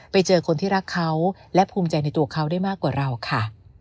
ไปเจอคนที่รักเขาและภูมิใจในตัวเขาได้มากกว่าเราค่ะ